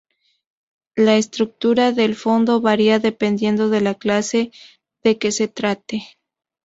La estructura del fondo varía dependiendo de la clase de que se trate.